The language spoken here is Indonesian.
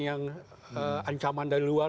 yang ancaman dari luar